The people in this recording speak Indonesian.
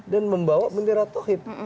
dan membawa bendera tohit